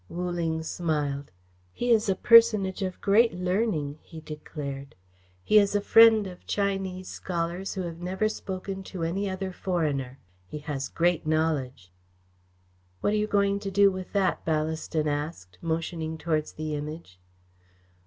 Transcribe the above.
Wu Ling smiled. "He is a personage of great learning," he declared. "He is a friend of Chinese scholars who have never spoken to any other foreigner. He has great knowledge." "What are you going to do with that?" Ballaston asked, motioning towards the Image.